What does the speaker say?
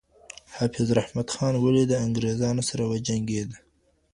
حافظ رحمت خان ولې د انګرېزانو سره وجنګېد؟